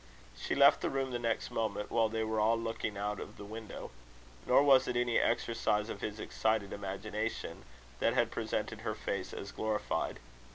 She left the room the next moment, while they were all looking out of the window. Nor was it any exercise of his excited imagination that had presented her face as glorified.